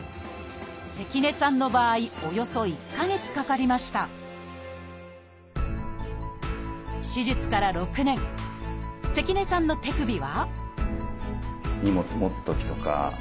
関根さんの場合およそ１か月かかりました関根さんの手首は荷物持つときとか本当に何か